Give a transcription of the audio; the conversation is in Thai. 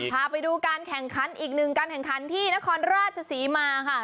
พาไปดูการแข่งขันอีกหนึ่งการแข่งขันที่นครราชศรีมาค่ะ